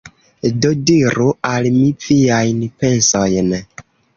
Do, diru al mi viajn pensojn